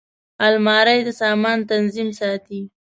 الماري د سامان تنظیم ساتي